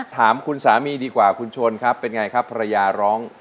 ถามคุณสามีดีกว่าคุณชนครับเป็นไงครับภรรยาร้อง